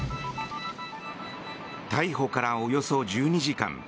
逮捕からおよそ１２時間。